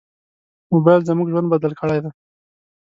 موبایل زموږ ژوند بدل کړی دی.